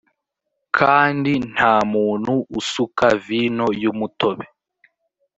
kandi nta muntu usuka vino y’ umutobe.